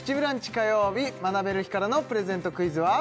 火曜日学べる日からのプレゼントクイズは？